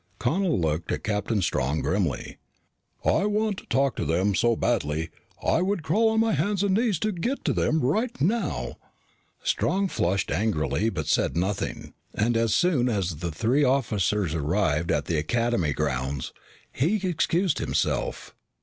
Connel looked at Captain Strong grimly. "I want to talk to them so badly, I would crawl on my hands and knees to get to them right now." Strong flushed angrily but said nothing, and as soon as the three officers arrived at the Academy grounds, he excused himself.